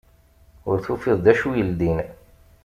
Ur tufiḍ d acu yeldin.